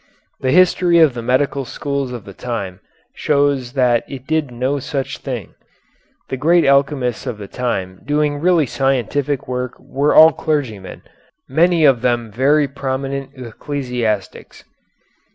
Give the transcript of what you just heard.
The history of the medical schools of the time shows that it did no such thing. The great alchemists of the time doing really scientific work were all clergymen, many of them very prominent ecclesiastics.